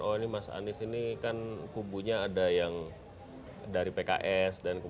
oh ini mas anies ini kan kubunya ada yang dari pks dan kemudian pks